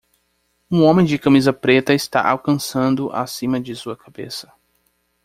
Um homem de camisa preta está alcançando acima de sua cabeça.